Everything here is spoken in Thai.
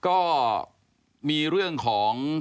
ก็มีเรื่องของ